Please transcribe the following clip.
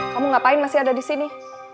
kamu ngapain masih ada disini